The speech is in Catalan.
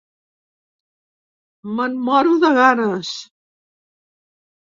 Me'n moro de ganes.